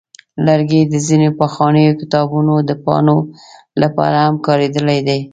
لرګي د ځینو پخوانیو کتابونو د پاڼو لپاره هم کارېدلي دي.